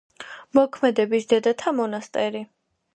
მოქმედებს დედათა მონასტერი.